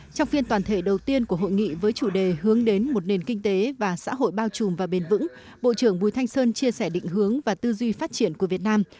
trong phiên toàn thể đầu tiên của hội nghị với chủ đề hướng đến một nền kinh tế và xã hội bao trùm và bền vững bộ trưởng bùi thanh sơn chia sẻ định hướng và tư duy phát triển của việt nam